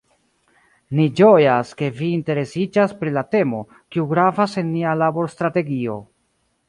Ni ĝojas, ke vi interesiĝas pri la temo, kiu gravas en nia laborstrategio.